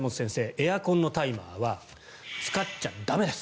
エアコンのタイマーは使っちゃ駄目です。